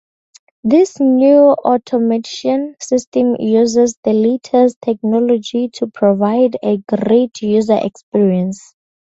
This new automation system uses the latest technology to provide a great user experience.